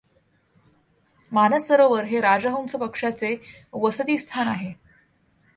मानस सरोवर हे राजहंस पक्ष्याचे वसतिस्थान आहे.